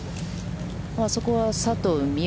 あそこは佐藤心